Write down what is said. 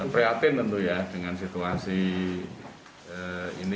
prihatin tentu ya dengan situasi ini